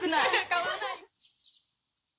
買わない。